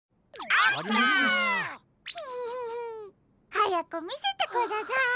はやくみせてください。ほっ。